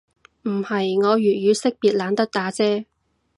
唔係，我粵語識別懶得打啫